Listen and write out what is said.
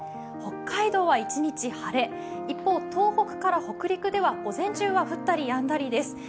北海道は一日晴れ、一方、東北から北陸では午前中は降ったりやんだりです。